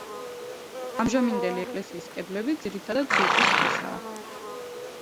ამჟამინდელი ეკლესიის კედლები ძირითადად რიყის ქვისაა.